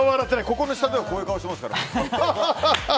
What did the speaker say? この下ではこういう顔してますから。